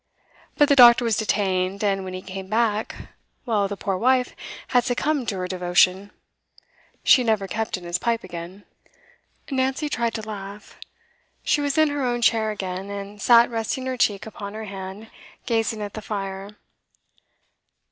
But the doctor was detained, and when he came back well, the poor wife had succumbed to her devotion. She never kept in his pipe again. Nancy tried to laugh. She was in her own chair again, and sat resting her cheek upon her hand, gazing at the fire.